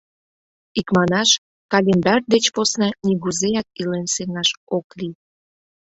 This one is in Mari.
Икманаш, календарь деч посна нигузеат илен сеҥаш ок лий.